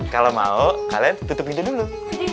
kalo mau kalian tutup pintu dulu